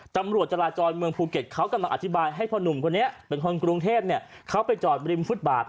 ตำรวจจราจรเมืองภูเก็ตเขากำลังอธิบายให้พ่อหนุ่มคนนี้เป็นคนกรุงเทพเขาไปจอดริมฟุตบาท